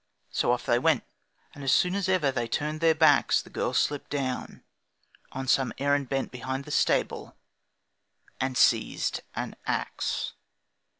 So off they went, And soon as ever they turned their backs The girl slipped down, on some errand bent Behind the stable, and seized an axe.